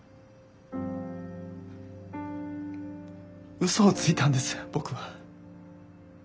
うそをついたんです僕は。